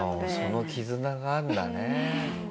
その絆があるんだね。